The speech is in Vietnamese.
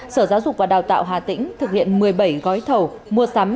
sở giáo dục và đào tạo hà tĩnh thực hiện một mươi bảy gói thầu mua sắm